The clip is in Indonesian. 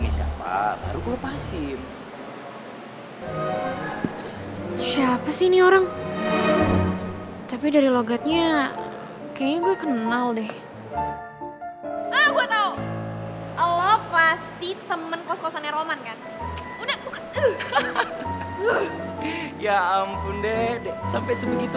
eh taro deh apa jangan jangan nih si devon yang nyuruh si teddy ngelakuin itu